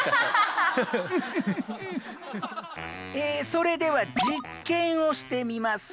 それでは実験をしてみます。